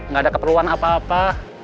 nggak ada keperluan apa apa